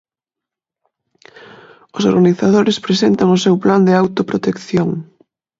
Os organizadores presentan o seu plan de autoprotección.